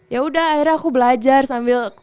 yaudah akhirnya aku belajar sambil